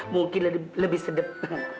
mungkin lebih sedap